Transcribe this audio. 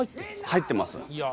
入ってます。